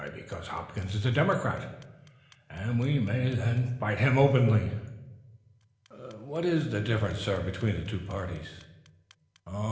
"Because Hopkins is a Democrat, and we may then fight him openly." "What is the difference, sir, between the two parties?"